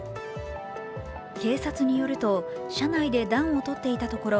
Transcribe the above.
警察によると車内で暖を取っていたところ